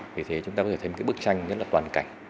vì thế chúng ta có thể thấy một bức tranh rất toàn cảnh